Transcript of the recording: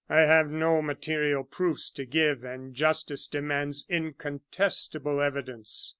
"I have no material proofs to give, and justice demands incontestable evidence."